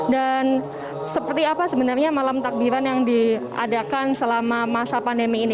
dan seperti apa sebenarnya malam takbiran yang diadakan selama masa pandemi ini